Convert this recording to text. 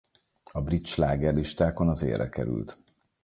A brit slágerlistákon az élre került.